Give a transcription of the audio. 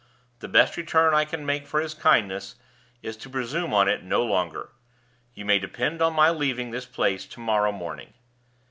The best return I can make for his kindness is to presume on it no longer. You may depend on my leaving this place to morrow morning."